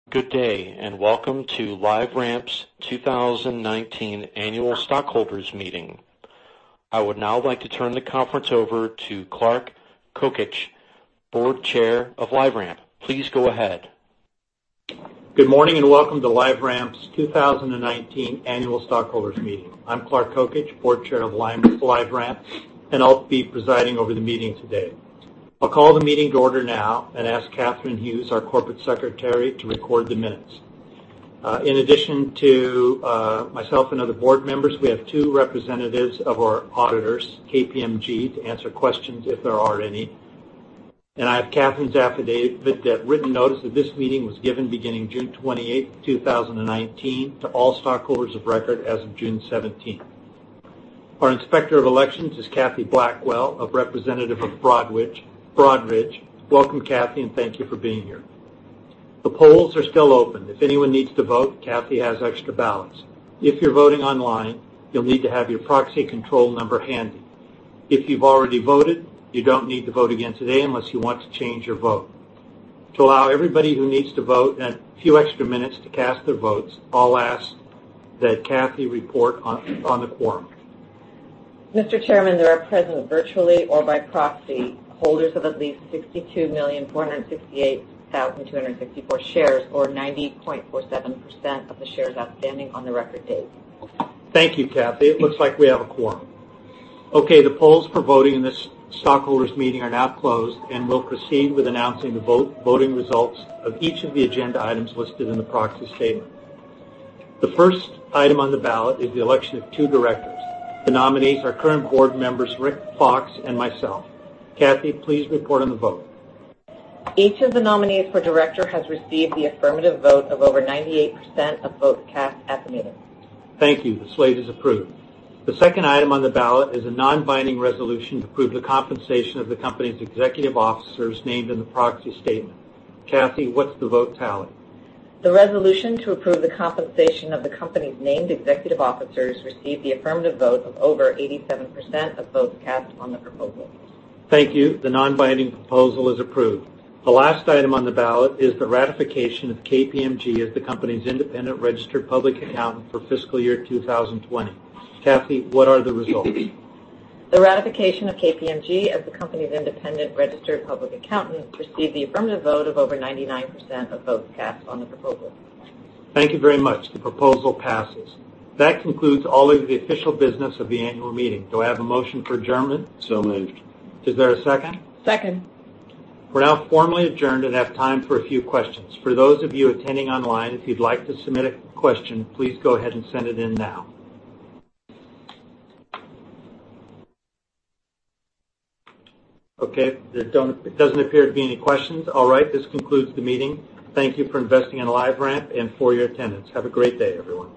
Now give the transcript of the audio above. Good day and welcome to LiveRamp's 2019 Annual Stockholders Meeting. I would now like to turn the conference over to Clark Kokich, Board Chair of LiveRamp. Please go ahead. Good morning and welcome to LiveRamp's 2019 Annual Stockholders Meeting. I'm Clark Kokich, Board Chair of LiveRamp, and I'll be presiding over the meeting today. I'll call the meeting to order now and ask Catherine Hughes, our Corporate Secretary, to record the minutes. In addition to myself and other board members, we have two representatives of our auditors, KPMG, to answer questions if there are any. I have Catherine's affidavit that written notice that this meeting was given beginning June 28, 2019, to all stockholders of record as of June 17. Our Inspector of Elections is Kathy Blackwell, a representative of Broadridge. Welcome, Kathy, and thank you for being here. The polls are still open. If anyone needs to vote, Kathy has extra ballots. If you're voting online, you'll need to have your proxy control number handy. If you've already voted, you don't need to vote again today unless you want to change your vote. To allow everybody who needs to vote a few extra minutes to cast their votes, I'll ask that Kathy report on the quorum. Mr. Chairman, there are present virtually or by proxy holders of at least 62,468,264 shares, or 90.47% of the shares outstanding on the record date. Thank you, Kathy. It looks like we have a quorum. Okay, the polls for voting in this stockholders meeting are now closed, and we'll proceed with announcing the voting results of each of the agenda items listed in the proxy statement. The first item on the ballot is the election of two directors. The nominees are current board members Richard P. Fox and myself. Kathy, please report on the vote. Each of the nominees for director has received the affirmative vote of over 98% of votes cast at the meeting. Thank you. The slate is approved. The second item on the ballot is a non-binding resolution to approve the compensation of the company's executive officers named in the proxy statement. Kathy, what's the vote tally?. The resolution to approve the compensation of the company's named executive officers received the affirmative vote of over 87% of votes cast on the proposal. Thank you. The non-binding proposal is approved. The last item on the ballot is the ratification of KPMG as the company's independent registered public accountant for fiscal year 2020. Kathy, what are the results?. The ratification of KPMG as the company's independent registered public accountant received the affirmative vote of over 99% of votes cast on the proposal. Thank you very much. The proposal passes. That concludes all of the official business of the annual meeting. Do I have a motion for adjournment?. So moved. Is there a second? Second. We're now formally adjourned and have time for a few questions. For those of you attending online, if you'd like to submit a question, please go ahead and send it in now. Okay, it doesn't appear to be any questions. All right, this concludes the meeting. Thank you for investing in LiveRamp and for your attendance. Have a great day, everyone.